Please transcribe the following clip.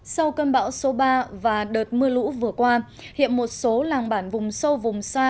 sau cơn bão số ba và đợt mưa lũ vừa qua hiện một số làng bản vùng sâu vùng xa